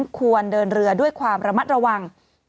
ควรเดินเรือด้วยความระมัดระวัง